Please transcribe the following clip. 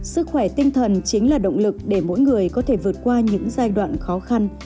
sức khỏe tinh thần chính là động lực để mỗi người có thể vượt qua những giai đoạn khó khăn